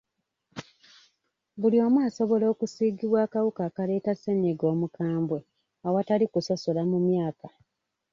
Buli omu asobola okusiigibwa akawuka akaleeta ssennyiga omukambwe awatali kusosola mu myaka.